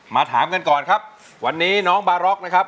ถามกันก่อนครับวันนี้น้องบาร็อกนะครับ